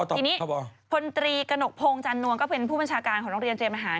ทีนี้พลตรีกระหนกพงศ์จันนวลก็เป็นผู้บัญชาการของโรงเรียนเจมอาหาร